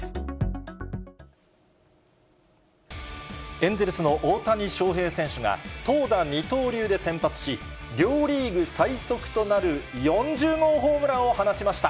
エンゼルスの大谷翔平選手が、投打二刀流で先発し、両リーグ最速となる４０号ホームランを放ちました。